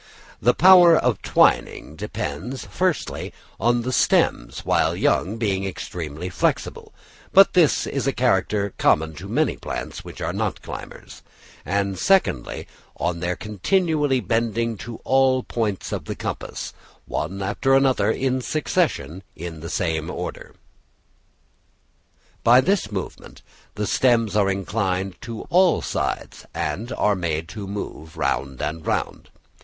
The power of twining depends, firstly, on the stems while young being extremely flexible (but this is a character common to many plants which are not climbers); and, secondly, on their continually bending to all points of the compass, one after the other in succession, in the same order. By this movement the stems are inclined to all sides, and are made to move round and round.